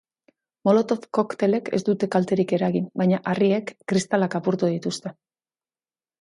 Molotov koktelek ez dute kalterik eragin, baina harriek kristalak apurtu dituzte.